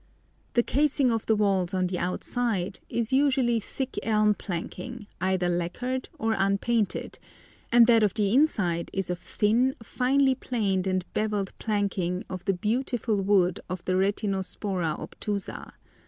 The casing of the walls on the outside is usually thick elm planking either lacquered or unpainted, and that of the inside is of thin, finely planed and bevelled planking of the beautiful wood of the Retinospora obtusa.